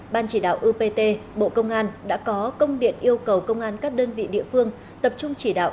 ban chỉ đạo upt bộ công an đã có công điện yêu cầu công an các đơn vị địa phương tập trung chỉ đạo